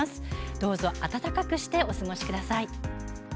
どうぞ暖かくしてお過ごしください。